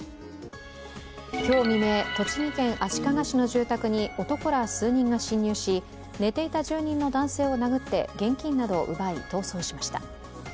今日未明、栃木県足利市の住宅に男ら数人が侵入し寝ていた住人の男性を殴って現金などを奪い、逃走しました。